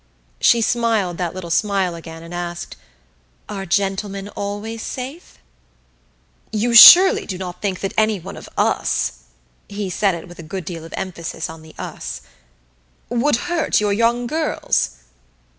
She smiled that little smile again, and asked: "Are 'gentlemen' always safe?" "You surely do not think that any of us," he said it with a good deal of emphasis on the "us," "would hurt your young girls?"